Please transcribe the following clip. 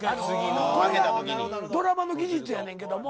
ドラマの技術やねんけども。